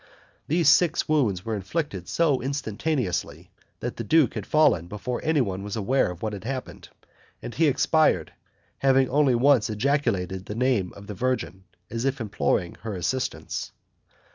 These six wounds were inflicted so instantaneously, that the duke had fallen before anyone was aware of what had happened, and he expired, having only once ejaculated the name of the Virgin, as if imploring her assistance.